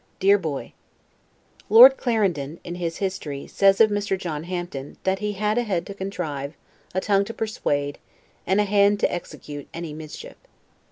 DEAR BOY: Lord Clarendon in his history says of Mr. John Hampden THAT HE HAD A HEAD TO CONTRIVE, A TONGUE TO PERSUADE, AND A HAND TO EXECUTE ANY MISCHIEF.